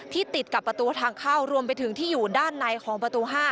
ติดกับประตูทางเข้ารวมไปถึงที่อยู่ด้านในของประตู๕